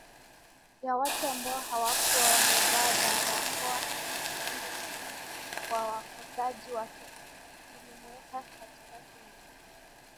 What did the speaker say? ya watu ambao hawakuwa wamevaa barakoaKitendo hicho kwa wakosoaji wake kilimweka katika kundi